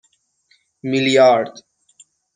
میلیارد